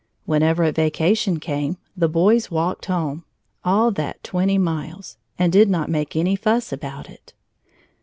Whenever a vacation came, the boys walked home all that twenty miles and did not make any fuss about it!